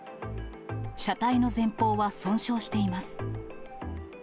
車体の前方は損傷しています。